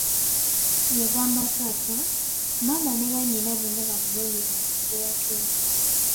Yagamba taata, maama ne bannyina bonna bamunonyeze akasuwa ke.